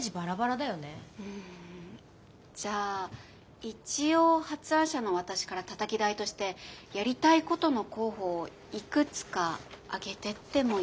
うんじゃあ一応発案者の私からたたき台としてやりたいことの候補をいくつか挙げてってもよろしいでしょうか。